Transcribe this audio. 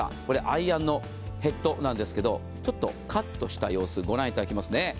これアイアンのヘッドなんですけどちょっとカットした様子ご覧頂きますね。